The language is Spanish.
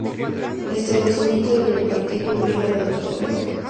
El establecimiento del partido vio a la Dra.